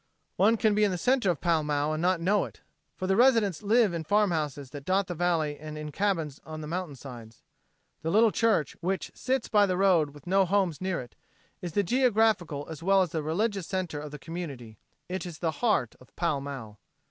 One can be in the center of Pall Mall and not know it, for the residents live in farm houses that dot the valley and in cabins on the mountainsides. The little church, which sits by the road with no homes near it, is the geographical as well as the religious center of the community it is the heart of Pall Mall.